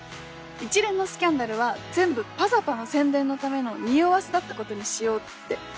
一連のスキャンダルは全部「ｐａｚａｐａ」の宣伝のためのにおわせだったことにしようって。